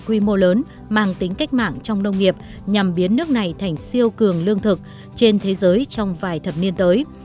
quy mô lớn mang tính cách mạng trong nông nghiệp nhằm biến nước này thành siêu cường lương thực trên thế giới trong vài thập niên tới